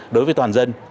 đối với toàn dân